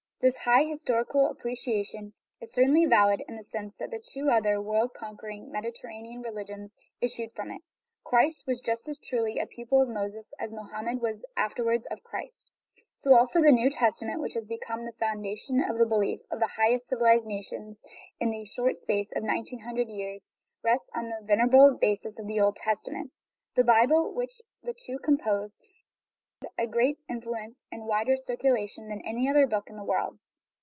This high historical appreciation is certainly valid in the sense that the two other world conquering Mediter ranean religions issued from it ; Christ was just as truly a pupil of Moses as Mohammed was afterwards of Christ. So also the New Testament, which has become the foundation of the belief of the highest civilized nations in the short space of nineteen hundred years, rests on the venerable basis of the Old Testament. The Bible, which the two compose, has had a greater influence and a wider circulation than any other book in the world.